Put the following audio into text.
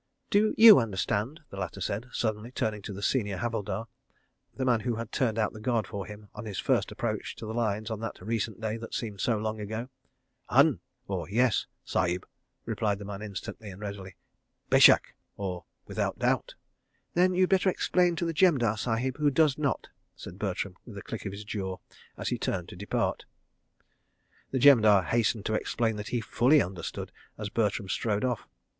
"Do you understand?" the latter said, suddenly, turning to the senior Havildar, the man who had turned out the Guard for him on his first approach to the Lines on that recent day that seemed so long ago. "Han, {56a} Sahib," replied the man instantly and readily. "Béshak!" {56b} "Then you'd better explain to the Jemadar Sahib, who does not," said Bertram with a click of his jaw, as he turned to depart. The Jemadar hastened to explain that he fully understood, as Bertram strode off.